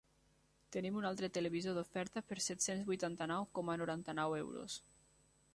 Tenim un altre televisor d'oferta per set-cents vuitanta-nou coma noranta-nou euros.